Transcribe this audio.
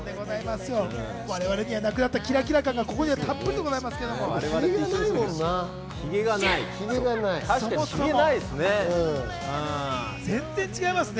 我々にはなくなったキラキラ感がここにはたっぷりありますね。